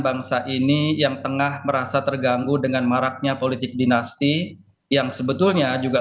bangsa ini yang tengah merasa terganggu dengan maraknya politik dinasti yang sebetulnya juga